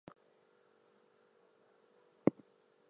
I wanted to capture the themes I had been writing about on "Darkness".